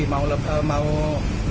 mau tahun baru maupun natal lagi